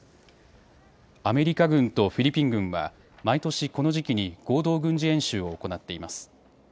アメリカ軍とフィリピン軍は、毎年この時期に合同軍事演習を行っています。